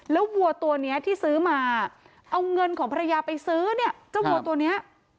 แล้ววัวตัวนี้ที่ซื้อมาเอาเงินของภรรยาไปซื้อเนี่ยเจ้าวัวตัวเนี้ย